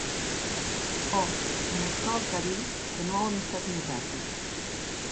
Òc, mos cau aclarir que non auem estat nosati.